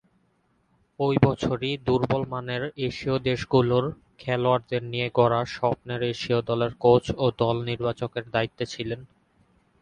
ঐ বছরই দূর্বলমানের এশীয় দেশগুলোর খেলোয়াড়দের নিয়ে গড়া স্বপ্নের এশীয় দলের কোচ ও দল নির্বাচকের দায়িত্বে ছিলেন।